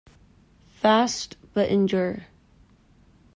Fast, but endure.